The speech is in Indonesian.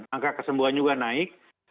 angka kesembuhan juga naik